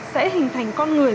sẽ hình thành con người